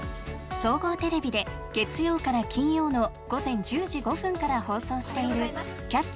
総合テレビで月曜から金曜の午前１０時５分から放送している「キャッチ！